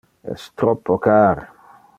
Es troppo car!